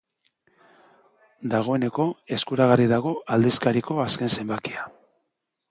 Dagoeneko eskuragarri dago aldizkariko azken zenbakia.